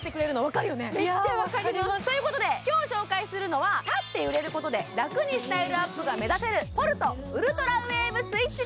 今日紹介するのは立って揺れることで楽にスタイルアップが目指せる、ポルトウルトラウェーブスイッチ。